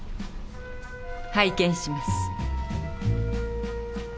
拝見します。